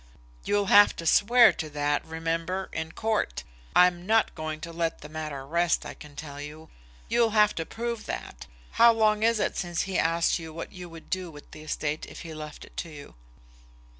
"You'll have to swear that, remember, in a court. I'm not going to let the matter rest, I can tell you. You'll have to prove that. How long is it since he asked you what you would do with the estate if he left it to you?"